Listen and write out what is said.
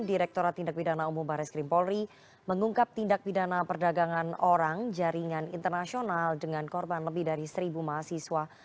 direkturat tindak pidana umum baris krim polri mengungkap tindak pidana perdagangan orang jaringan internasional dengan korban lebih dari seribu mahasiswa